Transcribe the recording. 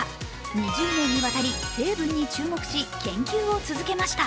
２０年にわたり成分に注目し研究を続けました。